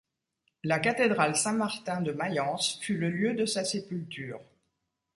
La cathédrale Saint-Martin de Mayence fut le lieu de sa sépulture.